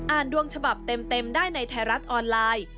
ดวงฉบับเต็มได้ในไทยรัฐออนไลน์